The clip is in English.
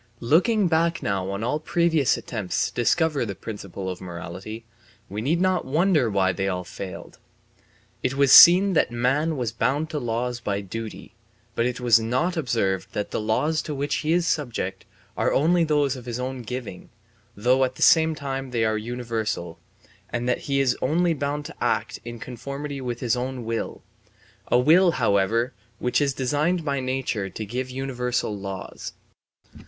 Looking back now on all previous attempts to discover the principle of morality, we need not wonder why they all failed. It was seen that man was bound to laws by duty, but it was not observed that the laws to which he is subject are only those of his own giving, though at the same time they are universal, and that he is only bound to act in conformity with his own will; a will, however, which is designed by nature to give universal laws.